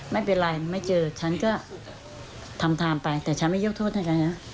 ไม่เป็นไรไม่เจอฉันก็ทำไทม์ไปแต่ฉันไม่ยกโทษให้ฉันนะ